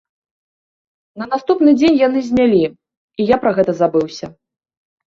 На наступны дзень яны знялі, і я пра гэта забыўся.